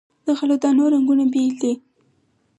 د غلو دانو رنګونه بیل دي.